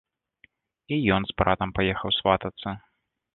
І ён з братам паехаў сватацца.